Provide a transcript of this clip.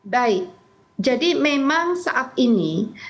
baik jadi memang saat ini